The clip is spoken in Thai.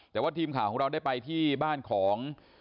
แต่ว่าทีมข่าวของเราได้ไปที่บ้านของ